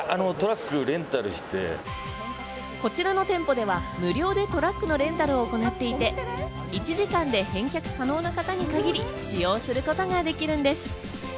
こちらの店舗では無料でトラックのレンタルを行っていて、１時間で返却可能な方に限り使用することができるんです。